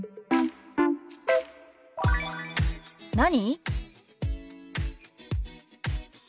「何？」。